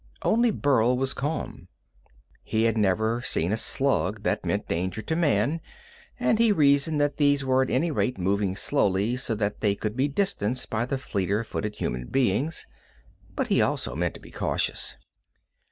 Only Burl was calm. He had never seen a slug that meant danger to man, and he reasoned that these were at any rate moving slowly so that they could be distanced by the fleeter footed human beings, but he also meant to be cautious.